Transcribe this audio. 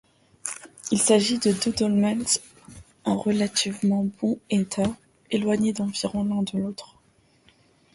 Il s'agit de deux dolmens en relativement bon état, éloignés d'environ l'un de l'autre.